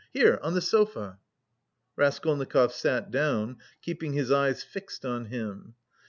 Here, on the sofa." Raskolnikov sat down, keeping his eyes fixed on him.